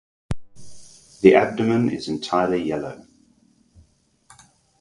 The abdomen is entirely yellow.